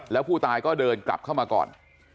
แล้วผู้ตายก็เดินกลับเข้ามาก่อน